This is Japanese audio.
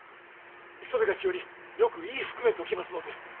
それがしよりよく言い含めておきますので！